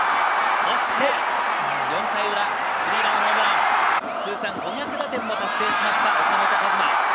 そして４回裏、スリーランホームラン、通算５００打点を達成しました、岡本和真。